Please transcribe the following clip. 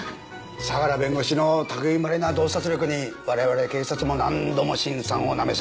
相良弁護士の類いまれな洞察力に我々警察も何度も辛酸をなめさせられてきました。